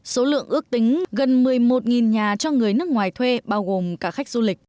số lượng ước tính gần một mươi một nhà cho người nước ngoài thuê bao gồm cả khách du lịch